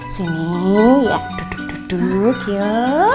sini ya duduk duduk ya